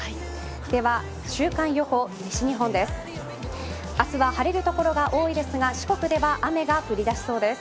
では週間予報、西日本です。